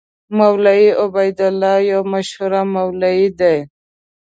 مولوي عبیدالله یو مشهور مولوي دی.